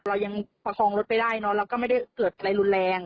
เรายังประคองรถไปได้เนอะเราก็ไม่ได้เกิดอะไรรุนแรง